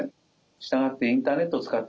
従ってインターネットを使ってですね